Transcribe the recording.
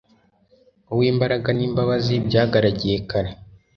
Uw' imbaraga n' imbabazi byagaragiye kare,